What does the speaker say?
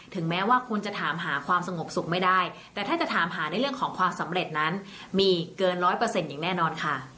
แม้ว่าคุณจะถามหาความสงบสุขไม่ได้แต่ถ้าจะถามหาในเรื่องของความสำเร็จนั้นมีเกินร้อยเปอร์เซ็นต์อย่างแน่นอนค่ะ